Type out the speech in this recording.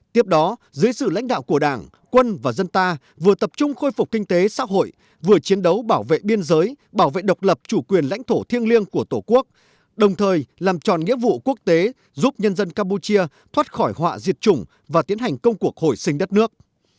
tiếp đó dưới sự lãnh đạo của đảng quân và dân ta vừa tập trung khôi phục kinh tế xã hội vừa chiến đấu bảo vệ biên giới bảo vệ độc lập chủ quyền lãnh thổ thiêng liêng của tổ quốc đồng thời làm tròn nghĩa vụ quốc tế giúp nhân dân campuchia thoát khỏi họa diệt chủng và tiến hành công cuộc hồi sinh đất nước